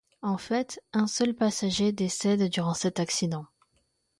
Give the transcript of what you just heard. En fait, un seul passager décède durant cet accident.